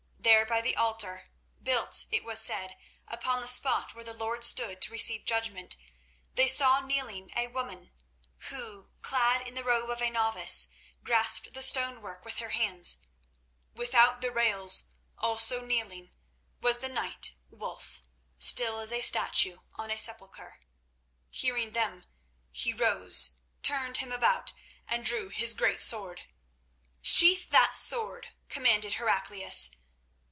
There by the altar, built, it was said, upon the spot where the Lord stood to receive judgment, they saw a kneeling woman, who, clad in the robe of a novice, grasped the stonework with her hands. Without the rails, also kneeling, was the knight Wulf, still as a statue on a sepulchre. Hearing them, he rose, turned him about, and drew his great sword. "Sheathe that sword," commanded Heraclius.